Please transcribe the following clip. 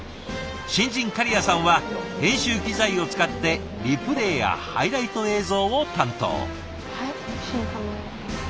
新人狩屋さんは編集機材を使ってリプレイやハイライト映像を担当。